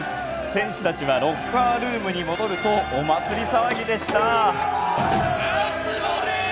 選手たちはロッカールームに戻るとお祭り騒ぎでした。